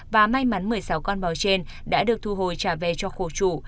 và may mắn một mươi sáu con bò trên đã được thu hồi trả về cho khổ chủ